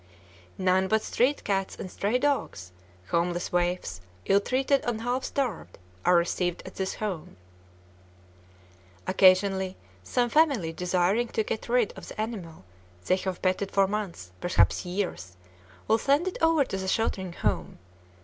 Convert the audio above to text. None but street cats and stray dogs, homeless waifs, ill treated and half starved, are received at this home. Occasionally, some family desiring to get rid of the animal they have petted for months, perhaps years, will send it over to the Sheltering Home.